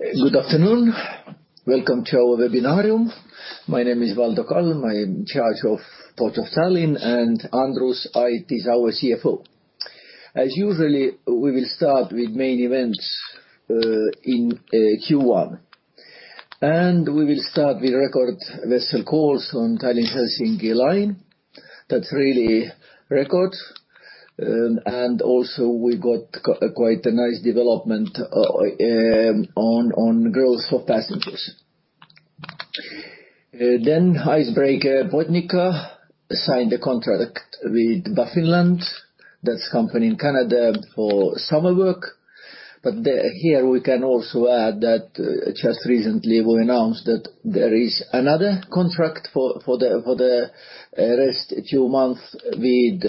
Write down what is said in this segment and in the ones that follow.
Good afternoon. Welcome to our webinarium. My name is Valdo Kalm, I'm in charge of Port of Tallinn, and Andrus Ait is our CFO. As usually, we will start with main events in Q1. We will start with record vessel calls on Tallinn-Helsinki line. That's really record. Also we got quite a nice development on growth for passengers. Icebreaker, Botnica, signed a contract with Baffinland, that's a company in Canada for summer work. Here we can also add that just recently we announced that there is another contract for the rest two months with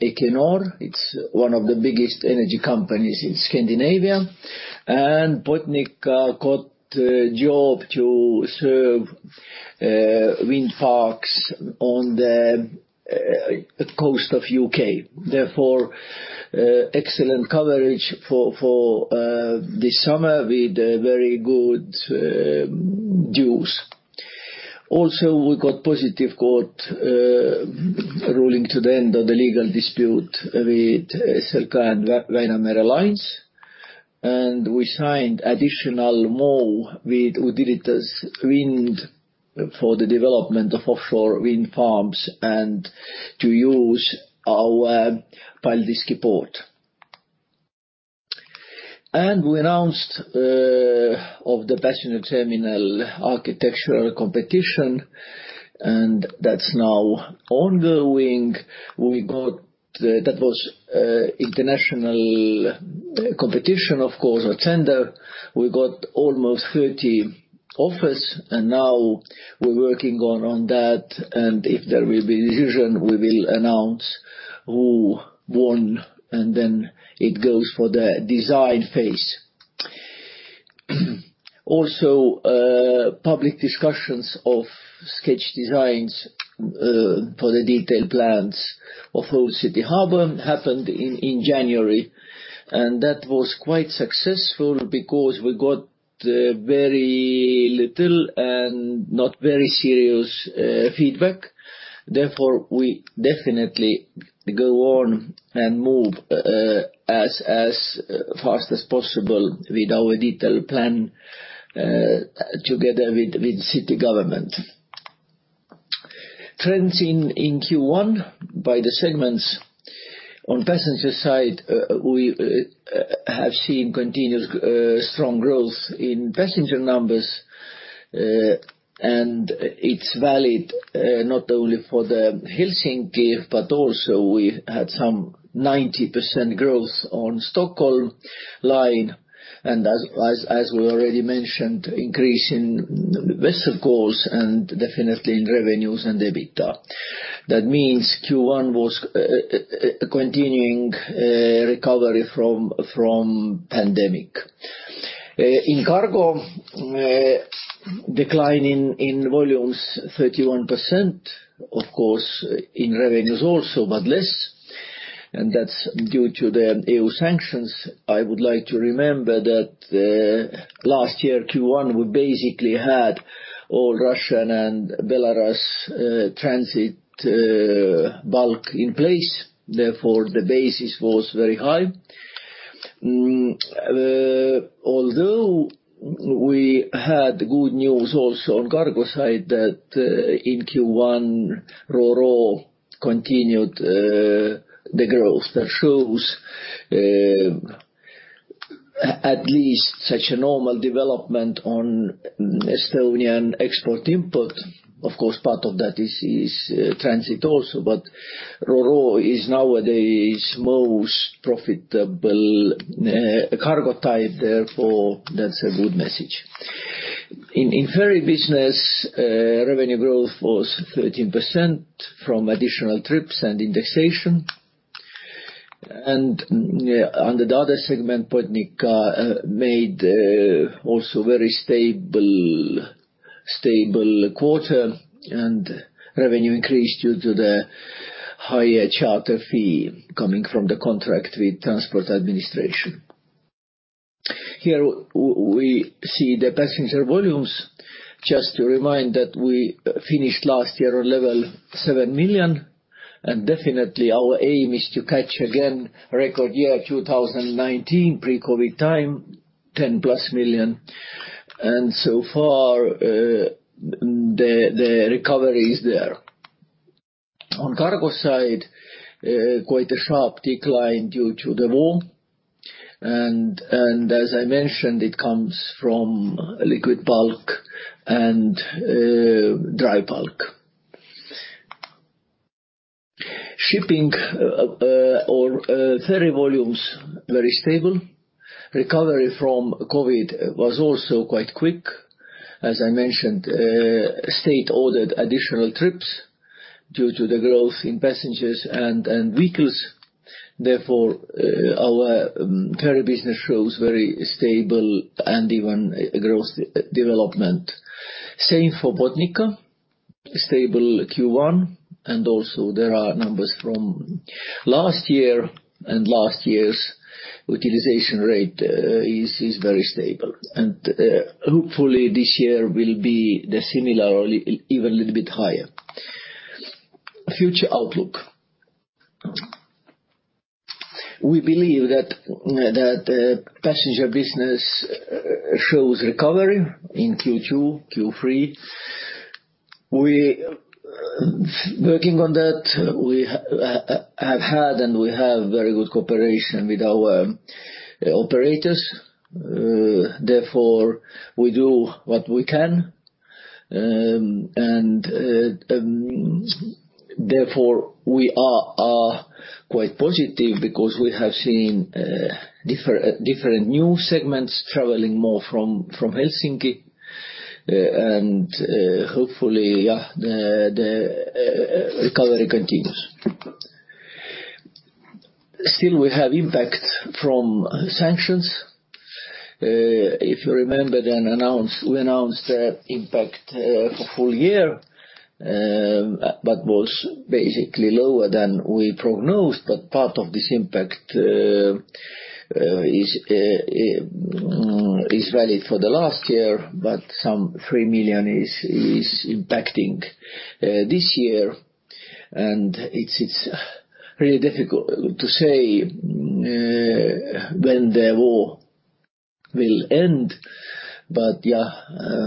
Equinor. It's one of the biggest energy companies in Scandinavia. Botnica got a job to serve wind farms on the coast of U.K. Therefore, excellent coverage for this summer with very good dues. We got positive court ruling to the end of the legal dispute with Silja and Väinamere Liinid Lines. We signed additional MOU with Utilitas Wind for the development of offshore wind farms and to use our Paldiski port. We announced of the passenger terminal architectural competition, and that's now ongoing. That was international competition, of course, or tender. We got almost 30 offers, and now we're working on that. If there will be decision, we will announce who won, and then it goes for the design phase. Public discussions of sketch designs for the detailed plans of Old City Harbor happened in January. That was quite successful because we got very little and not very serious feedback. We definitely go on and move as fast as possible with our detailed plan together with city government. Trends in Q1 by the segments. On passenger side, we have seen continuous strong growth in passenger numbers, and it's valid not only for the Helsinki, but also we had some 90% growth on Stockholm line. As we already mentioned, increase in vessel calls and definitely in revenues and EBITDA. That means Q1 was a continuing recovery from pandemic. In cargo, decline in volumes 31%, of course, in revenues also, but less. That's due to the EU sanctions. I would like to remember that last year, Q1, we basically had all Russian and Belarus transit bulk in place. The basis was very high. Although we had good news also on cargo side that in Q1, ro-ro continued the growth. That shows at least such a normal development on Estonian export-import. Of course, part of that is transit also. Ro-ro is nowadays most profitable cargo type, therefore that's a good message. In ferry business, revenue growth was 13% from additional trips and indexation. Under the other segment, Botnica made a also very stable quarter, and revenue increased due to the higher charter fee coming from the contract with Estonian Transport Administration. Here we see the passenger volumes. Just to remind that we finished last year on level 7 million, and definitely our aim is to catch again record year 2019, pre-COVID time, 10+ million. So far, the recovery is there. On cargo side, quite a sharp decline due to the war. As I mentioned, it comes from liquid bulk and dry bulk. Shipping or ferry volumes, very stable. Recovery from COVID was also quite quick. As I mentioned, state ordered additional trips due to the growth in passengers and vehicles. Therefore, our ferry business shows very stable and even growth development. Same for Botnica, stable Q1. Also there are numbers from last year, and last year's utilization rate is very stable. Hopefully this year will be the similar or even a little bit higher. Future outlook. We believe that passenger business shows recovery in Q2, Q3. We working on that. We have had and we have very good cooperation with our operators, therefore we do what we can. Therefore we are quite positive because we have seen different new segments traveling more from Helsinki. Hopefully, yeah, the recovery continues. Still we have impact from sanctions. If you remember then we announced the impact for full year, but was basically lower than we prognosed. Part of this impact is valid for the last year, but some 3 million is impacting this year. It's really difficult to say when the war will end. Yeah,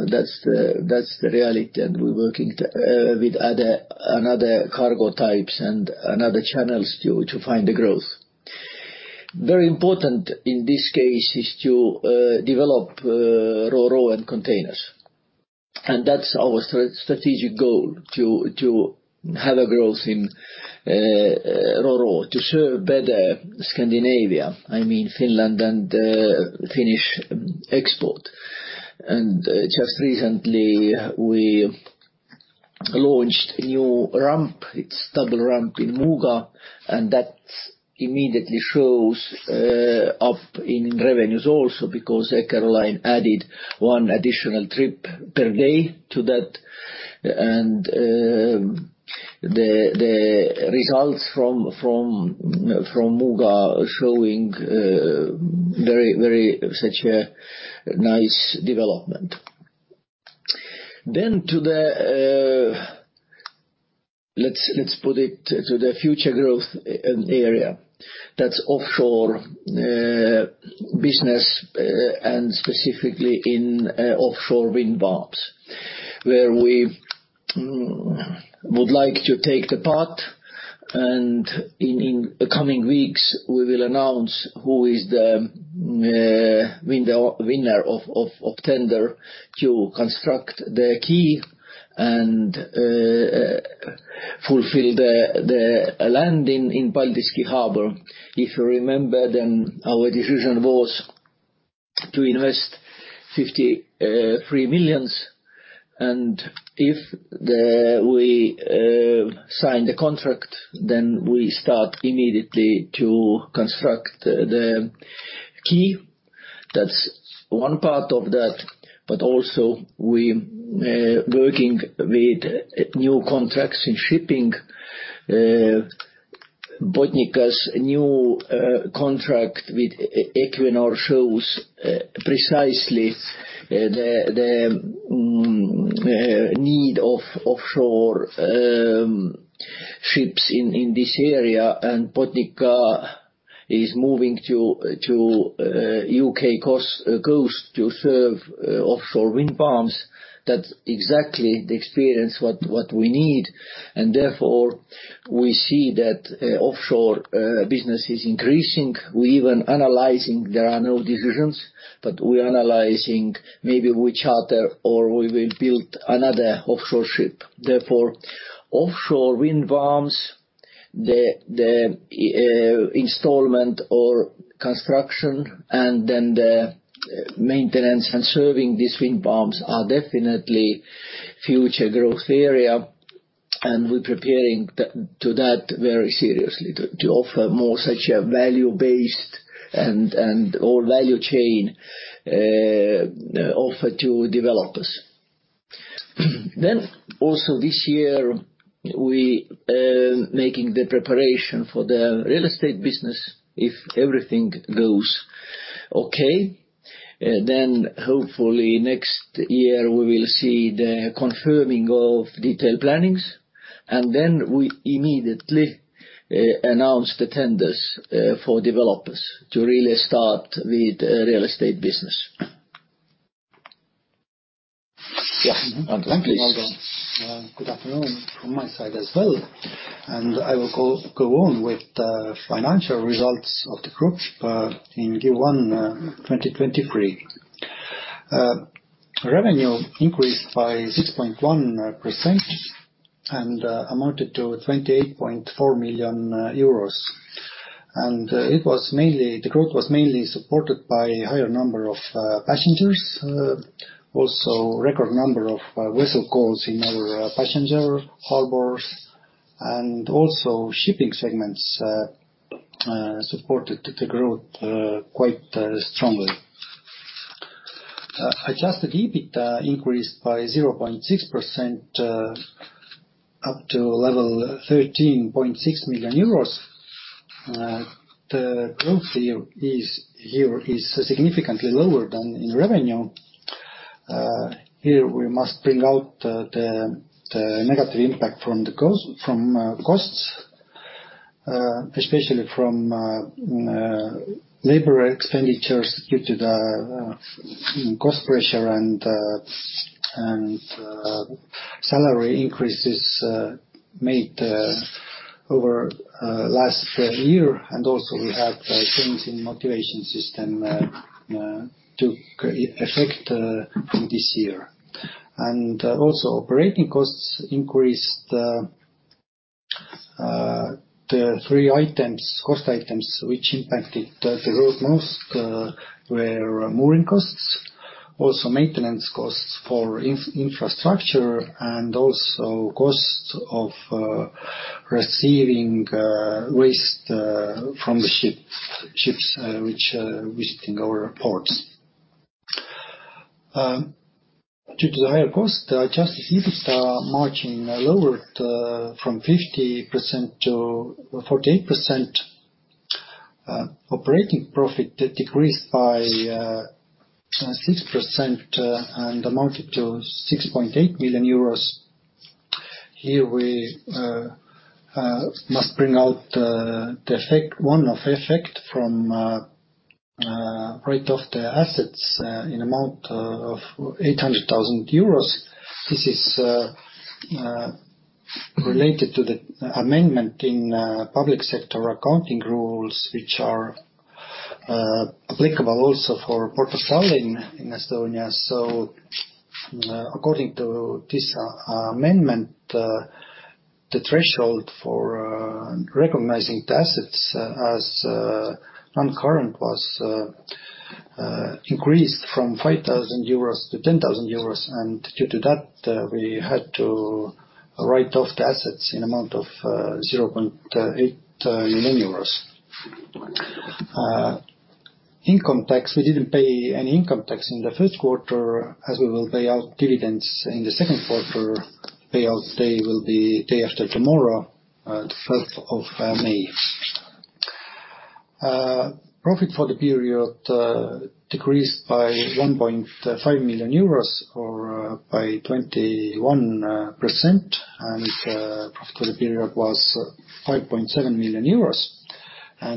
that's the reality and we're working with another cargo types and another channels to find the growth. Very important in this case is to develop ro-ro and containers. That's our strategic goal to have a growth in ro-ro to serve better Scandinavia, I mean, Finland and Finnish export. Just recently we launched a new ramp. It's double ramp in Muuga, and that immediately shows up in revenues also because Eckerö Line added one additional trip per day to that. The results from Muuga showing very such a nice development. To the let's put it to the future growth area. That's offshore business and specifically in offshore wind farms, where we would like to take the part. In coming weeks, we will announce who is the winner of tender to construct the key and fulfill the landing in Paldiski Harbor. If you remember, our decision was to invest 53 million. If we sign the contract, we start immediately to construct the key. That's one part of that. Also we working with new contracts in shipping. Botnica's new contract with Equinor shows precisely the need of offshore ships in this area, and Botnica is moving to U.K. coast to serve offshore wind farms. That's exactly the experience we need. Therefore we see that offshore business is increasing. We even analyzing, there are no decisions, but we're analyzing maybe we charter or we will build another offshore ship. Offshore wind farms, the installment or construction and then the maintenance and serving these wind farms are definitely future growth area. We're preparing to that very seriously to offer more such a value-based or value chain offer to developers. Also this year, we making the preparation for the real estate business. If everything goes okay, hopefully next year we will see the confirming of detailed plannings. We immediately announce the tenders for developers to really start with real estate business. Yeah. Please. Thank you, Valdo. Good afternoon from my side as well. I will go on with the financial results of the groups in Q1 2023. Revenue increased by 6.1% and amounted to 28.4 million euros. The growth was mainly supported by higher number of passengers, also record number of vessel calls in our passenger harbors and also shipping segments supported the growth quite strongly. Adjusted EBIT increased by 0.6%, up to level 13.6 million euros. The growth here is significantly lower than in revenue. Here we must bring out the negative impact from costs, especially from labor expenditures due to the cost pressure and salary increases made over last year. Also we had a change in motivation system took effect from this year. Also operating costs increased, the three items, cost items, which impacted the growth most, were mooring costs, also maintenance costs for infrastructure, and also costs of receiving waste from the ships which visiting our ports. Due to the higher cost, adjusted EBIT margin lowered from 50% to 48%. Operating profit decreased by 6% and amounted to 6.8 million euros. Here we must bring out the effect, one-off effect from write off the assets in amount of 800,000 euros. This is related to the amendment in public sector accounting rules, which are applicable also for Port of Tallinn in Estonia. According to this amendment, the threshold for recognizing the assets as non-current was increased from 5,000-10,000 euros. Due to that, we had to write off the assets in amount of 0.8 million euros. Income tax, we didn't pay any income tax in the first quarter, as we will pay out dividends in the second quarter. Payout day will be day after tomorrow, the 5th of May. Profit for the period decreased by 1.5 million euros or by 21%. Profit for the period was 5.7 million euros.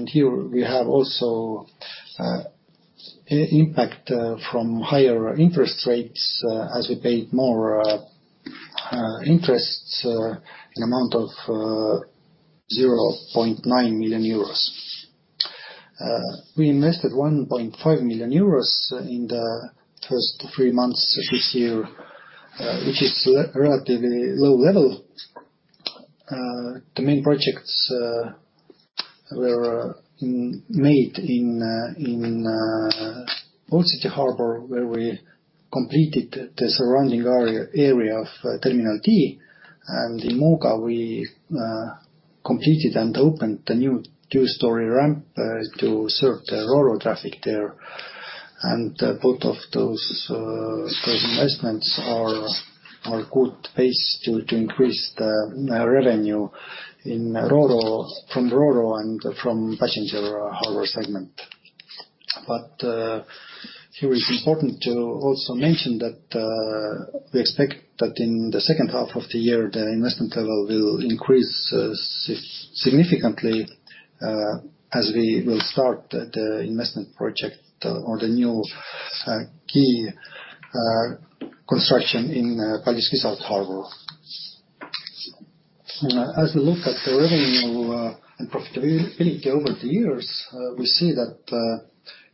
Here we have also impact from higher interest rates as we paid more interests in amount of 0.9 million euros. We invested 1.5 million euros in the first three months this year, which is relatively low level. The main projects were made in Old City Harbor, where we completed the surrounding area of Terminal D. In Muuga, we completed and opened the new two-story ramp to serve the ro-ro traffic there. Both of those investments are good base to increase the revenue in ro-ro, from ro-ro and from passenger harbor segment. Here it's important to also mention that we expect that in the second half of the year, the investment level will increase significantly as we will start the investment project or the new key construction in Paljassaare Harbour. As we look at the revenue and profitability over the years, we see that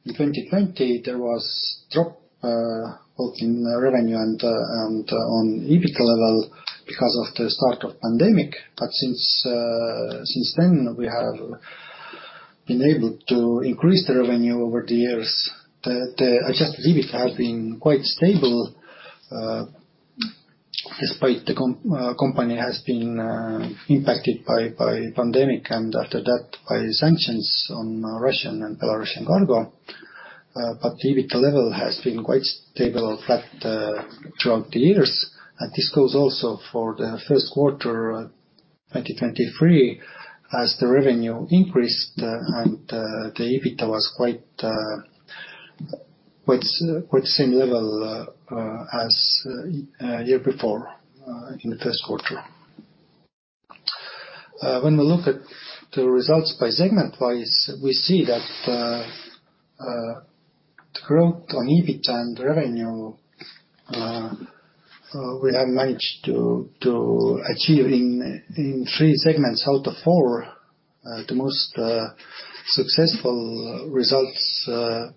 in 2020 there was drop both in revenue and on EBIT level because of the start of pandemic. Since then, we have been able to increase the revenue over the years. The adjusted EBIT has been quite stable, despite the company has been impacted by pandemic and after that by sanctions on Russian and Belarusian cargo. The EBIT level has been quite stable flat throughout the years. This goes also for the first quarter 2023 as the revenue increased and the EBIT was quite same level as year before in the first quarter. When we look at the results by segment wise, we see that the growth on EBIT and revenue we have managed to achieve in three segments out of four. The most successful results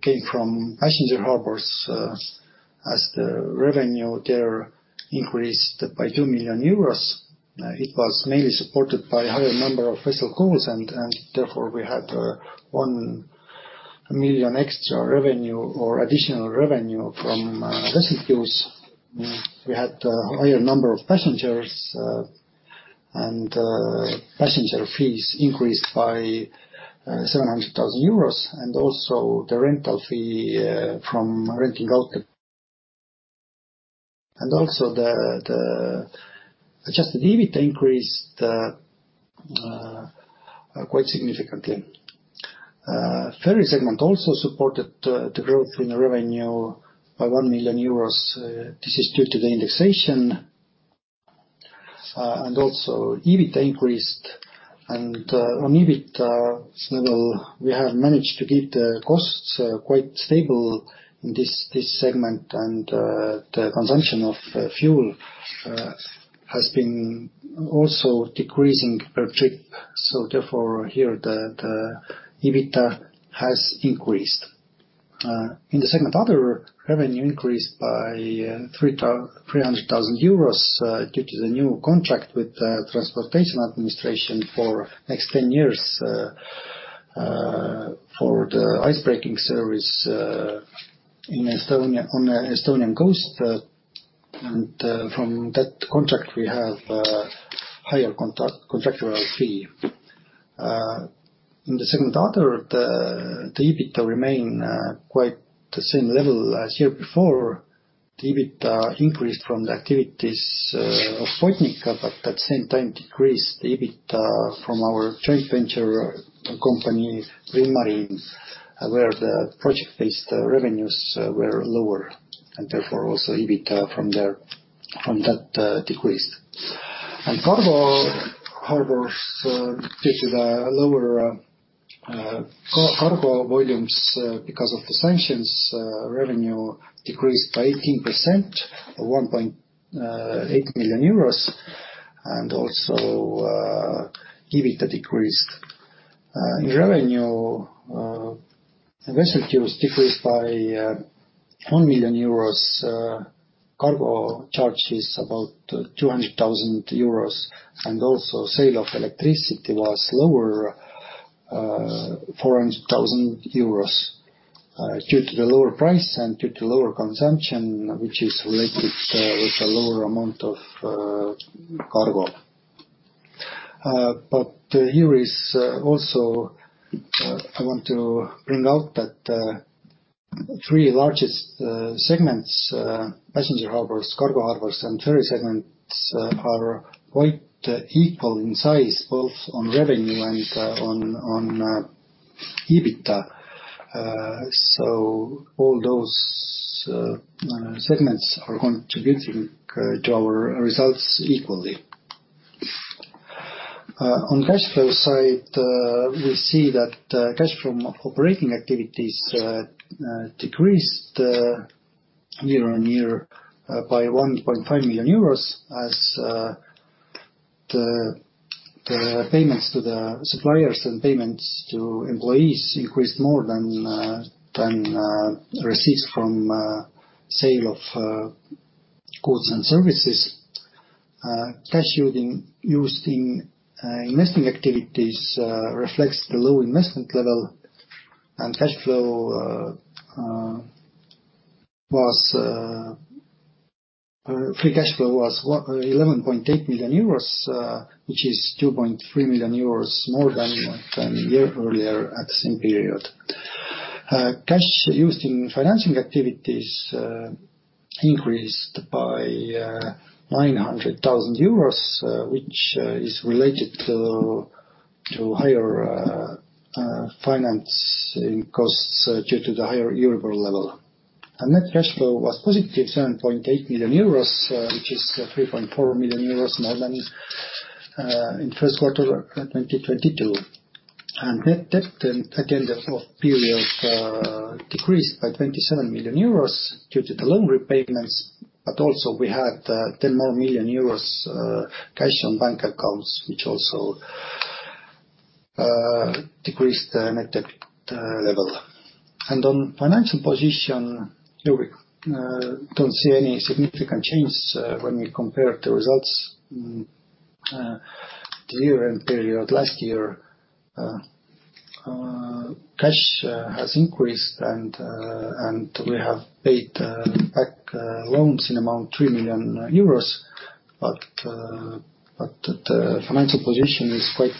came from passenger harbors as the revenue there increased by 2 million euros. It was mainly supported by higher number of vessel calls and therefore we had 1 million extra revenue or additional revenue from vessel fuels. We had a higher number of passengers, and passenger fees increased by 700,000 euros, easily increased by EUR 700,000 and also the rental fee. Also the adjusted EBIT increased quite significantly. Ferry segment also supported the growth in revenue by 1 million euros. This is due to the indexation. Also EBIT increased. On EBIT level, we have managed to keep the costs quite stable in this segment. The consumption of fuel has been also decreasing per trip. Therefore here the EBIT has increased. In the segment other, revenue increased by 300,000 euros due to the new contract with the Estonian Transport Administration for next 10 years for the icebreaking service in Estonia, on the Estonian Coast. From that contract, we have higher contractual fee. In the segment other, the EBIT remain quite the same level as year before. The EBIT increased from the activities of Point Nina, but at the same time decreased the EBIT from our joint venture company, Green Marine, where the project-based revenues were lower, and therefore also EBIT from that decreased. Cargo harbors, due to the lower cargo volumes, because of the sanctions, revenue decreased by 18% to EUR 1.8 million. EBIT decreased. In revenue, vessel fuels decreased by 1 million euros, cargo charges about 200,000 euros. Sale of electricity was lower, 400,000 euros, due to the lower price and due to lower consumption, which is related with a lower amount of cargo. Here is also, I want to bring out that three largest segments, passenger harbors, cargo harbors, and ferry segments, are quite equal in size, both on revenue and on EBIT. All those segments are contributing to our results equally. On cash flow side, we see that cash from operating activities decreased year-on-year by EUR 1.5 million as the payments to the suppliers and payments to employees increased more than receipts from sale of goods and services. Cash used in investing activities reflects the low investment level. Free cash flow was 11.8 million euros, which is 2.3 million euros more than year earlier at the same period. Cash used in financing activities increased by 900,000 euros, which is related to higher financing costs due to the higher Euro level. Net cash flow was positive, 7.8 million euros, which is 3.4 million euros more than in first quarter of 2022. Net debt at the end of period decreased by 27 million euros due to the loan repayments. Also we had 10 million euros more cash on bank accounts, which also decreased the net debt level. On financial position, here we don't see any significant change when we compare the results the year-end period last year. Cash has increased and we have paid back loans in amount 3 million euros. The financial position is quite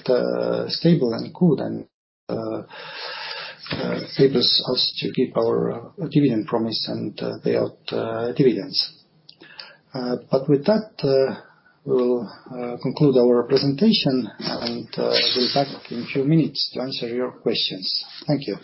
stable and good and enables us to keep our dividend promise and pay out dividends. With that, we'll conclude our presentation and we'll be back in a few minutes to answer your questions. Thank you.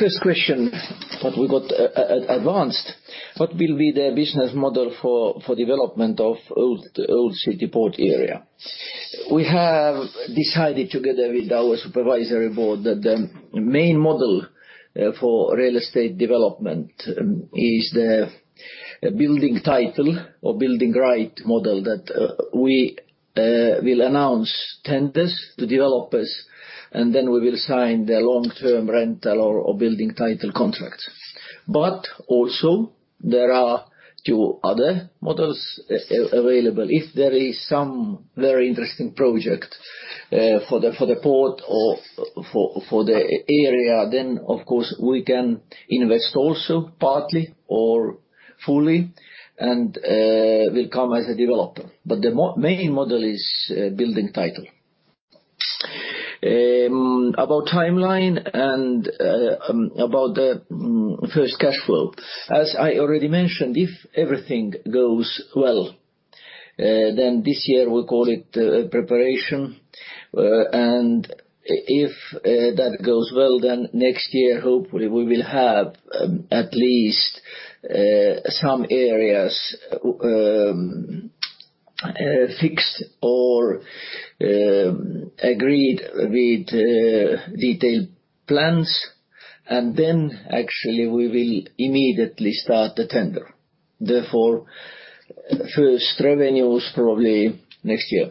First question that we got advanced. What will be the business model for development of old city port area? We have decided together with our supervisory board that the main model for real estate development is the building title or building right model that we will announce tenders to developers, and then we will sign the long-term rental or building title contract. Also there are two other models available. If there is some very interesting project for the port or for the area, then of course we can invest also partly or fully, and will come as a developer. The main model is building title. About timeline and about the first cash flow. As I already mentioned, if everything goes well, then this year we call it preparation. If that goes well, then next year, hopefully we will have at least some areas fixed or agreed with detailed plans. Actually we will immediately start the tender. Therefore, first revenue is probably next year.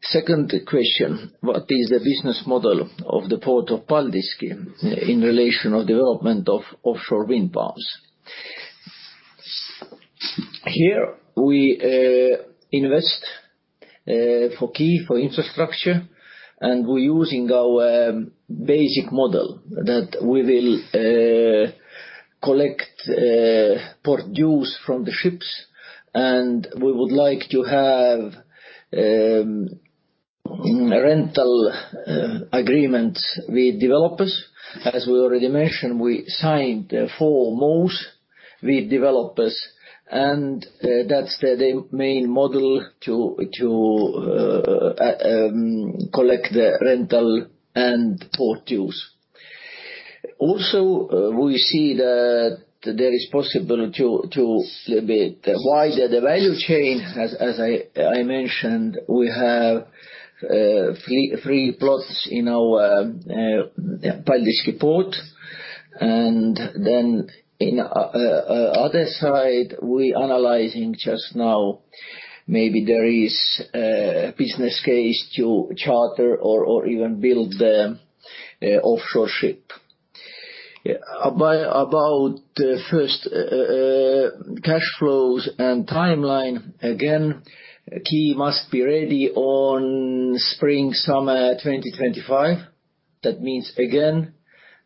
Second question: What is the business model of the Pon relation of development of offshore wind farms? Here we invest for key for infrastructure, and we're using our basic model thrt of Paldiski iat we will collect port dues from the ships, and we would like to have rental agreements with developers. As we already mentioned, we signed four MoUs with developers, and that's the de-main model to collect the rental and port dues. Also, we see that there is possible to a bit widen the value chain. As I mentioned, we have 3 plots in our Paldiski port. Then in other side, we're analyzing just now, maybe there is a business case to charter or even build the offshore ship. About the first cash flows and timeline, again, key must be ready on spring, summer 2025. That means, again,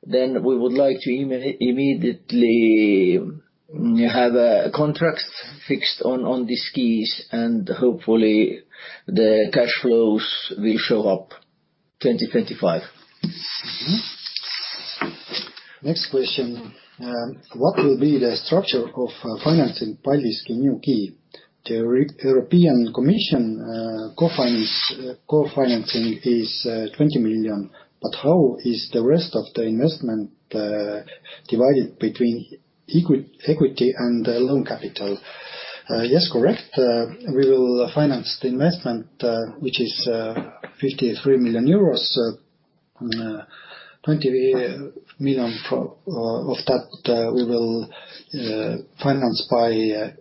then we would like to immediately have a contract fixed on these keys, and hopefully the cash flows will show up 2025. Mm-hmm. Next question. What will be the structure of financing Paldiski new key? The European Commission co-financing is 20 million, but how is the rest of the investment divided between equity and the loan capital? Yes, correct. We will finance the investment, which is 53 million euros. 20 million of that we will finance by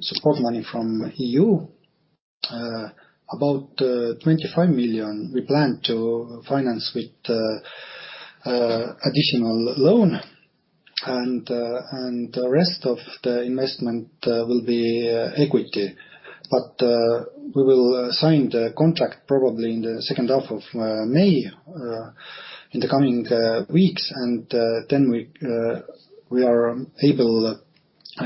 support money from EU. About 25 million we plan to finance with additional loan. The rest of the investment will be equity. We will sign the contract probably in the second half of May in the coming weeks. Then we are able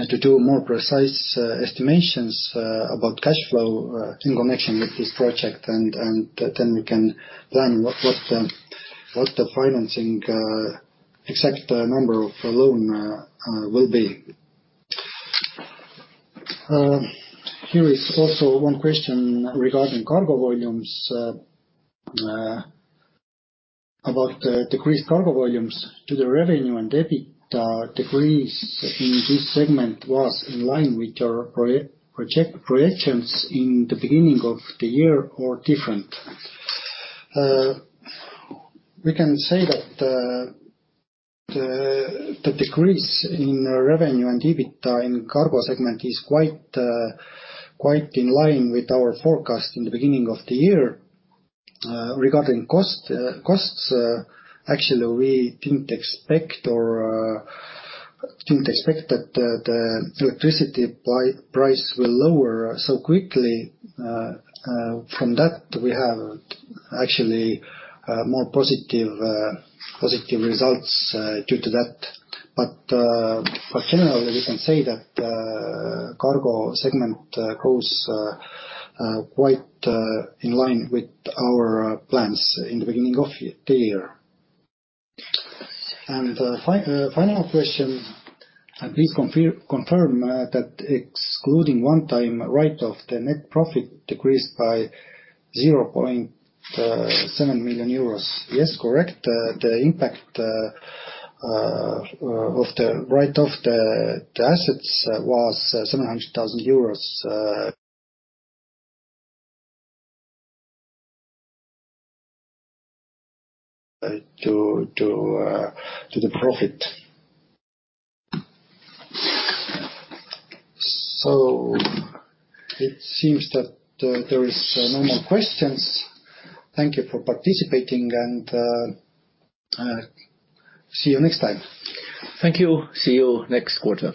to do more precise estimations about cash flow in connection with this project. Then we can plan what the financing exact number of the loan will be. Here is also one question regarding cargo volumes. About the decreased cargo volumes to the revenue and EBITDA decrease in this segment was in line with your projections in the beginning of the year or different? We can say that the decrease in revenue and EBITDA in cargo segment is quite in line with our forecast in the beginning of the year. Regarding costs, actually, we didn't expect or didn't expect that the electricity price will lower so quickly. From that, we have actually more positive results due to that. Generally we can say that cargo segment goes quite in line with our plans in the beginning of the year. final question. Please confirm that excluding one-time write-off, the net profit decreased by 0.7 million euros. Yes, correct. The impact of the write-off the assets was EUR 700,000 to the profit. It seems that there is no more questions. Thank you for participating, and see you next time. Thank you. See you next quarter.